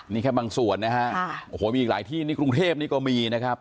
นี่แค่บางส่วนนะฮะโอ้โหมีอีกหลายที่นี่กรุงเทพนี่ก็มีนะครับ